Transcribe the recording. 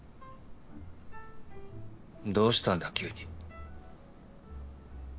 どうしたんだ急に。